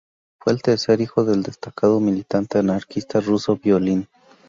Fue el tercer hijo del destacado militante anarquista ruso Volin.